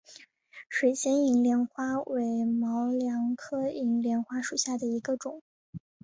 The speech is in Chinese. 水仙银莲花为毛茛科银莲花属下的一个种。